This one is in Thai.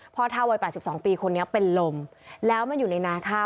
เท่าวัย๘๒ปีคนนี้เป็นลมแล้วมันอยู่ในนาข้าว